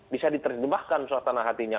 bisa diterjemahkan suatana hatinya